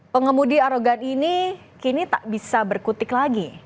pengemudi arogan ini kini tak bisa berkutik lagi